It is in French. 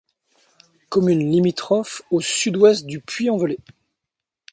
Commune limitrophe au sud-ouest du Puy-en-Velay.